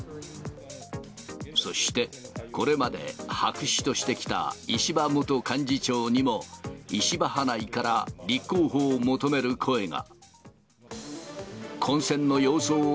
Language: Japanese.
そして、これまで白紙としてきた石破元幹事長にも、石破派内から立候補を求める声が。